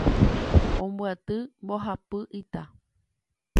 Ombyaty mbohapy ita